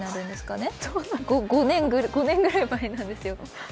５年ぐらい前なんですよ。